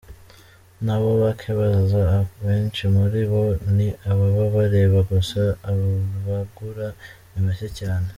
Nabo bake baza abenshi muri bo ni ababa bareba gusa, abagura ni bake cyane.